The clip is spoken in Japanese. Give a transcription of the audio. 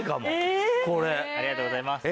ありがとうございます。